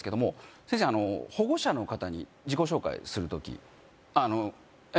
先生あの保護者の方に自己紹介する時あのええ